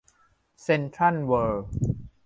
เซ็นทรัลเวิร์ล